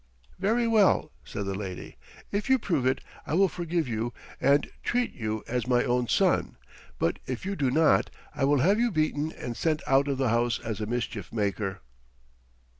"Very well," said the lady, "if you prove it I will forgive you and treat you as my own son, but if you do not I will have you beaten and sent out of the house as a mischief maker."